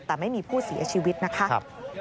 แต่ไม่มีผู้เสียชีวิตนะคะ